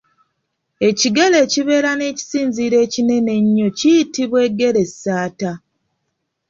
Ekigere ekibeera n’ekisinziiro ekinene ennyo kiyitibwa eggeressaata.